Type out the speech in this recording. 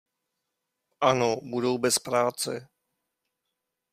Ano, budou bez práce.